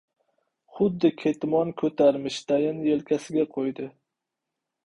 Xuddi ketmon ko‘tarmishdayin yelkasiga qo‘ydi.